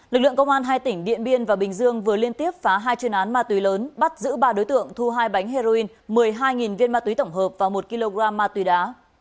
lực lượng công an hai tỉnh điện biên và bình dương vừa liên tiếp phá hai chuyên án ma túy lớn bắt giữ ba đối tượng thu hai bánh heroin một mươi hai viên ma túy tổng hợp và một kg ma túy đá